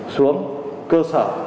xuống cơ sở